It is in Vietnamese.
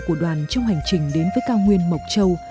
của đoàn trong hành trình đến với cao nguyên mộc châu